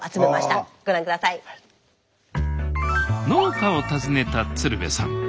農家を訪ねた鶴瓶さん。